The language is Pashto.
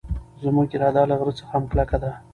زموږ اراده له غره څخه هم کلکه ده.